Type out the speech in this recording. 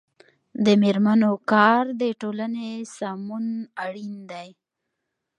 د میرمنو کار د ټولنې سمون اړین دی.